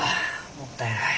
もったいない。